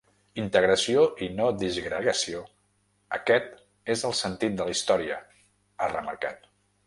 Integració i no disgregació, aquest és el sentit de la història, ha remarcat.